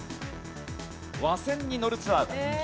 和船に乗るツアーが人気。